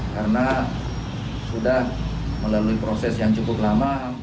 karena sudah melalui proses yang cukup lama